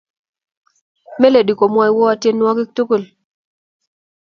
melodi komwowo tienuakik tukul